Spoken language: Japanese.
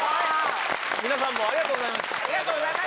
皆さんもありがとうございました！